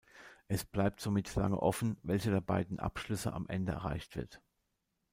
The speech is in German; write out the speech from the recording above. Es bleibt somit lange offen, welcher der beiden Abschlüsse am Ende erreicht wird.